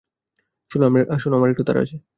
শোনো, আমার একটু তাড়া আছে!